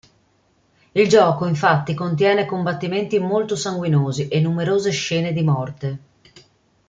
Il gioco infatti contiene combattimenti molto sanguinosi e numerose scene di morte.